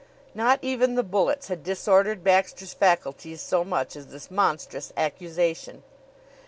Not even the bullets had disordered Baxter's faculties so much as this monstrous accusation.